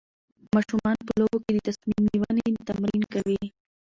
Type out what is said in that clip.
ماشومان په لوبو کې د تصمیم نیونې تمرین کوي.